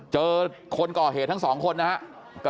คนก่อเหตุทั้งสองคนนะครับ